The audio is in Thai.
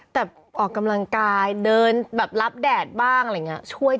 แต่แบบออกกำลังกายเดินแบบรับแดดบ้าง